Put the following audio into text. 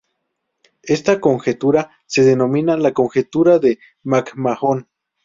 Esta conjetura se denomina La conjetura de MacMahon.